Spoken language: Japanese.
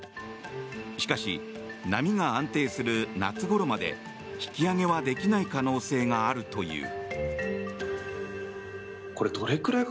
しかし、波が安定する夏ごろまで引き揚げはできない可能性があるという。